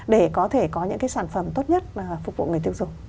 để có thể có những cái sản phẩm tốt nhất mà phục vụ người tiêu dùng